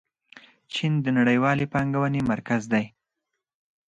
چین د نړیوالې پانګونې مرکز دی.